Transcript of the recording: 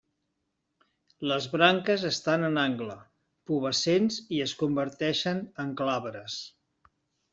Les branques estan en angle, pubescents i es converteixen en glabres.